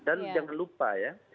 dan jangan lupa ya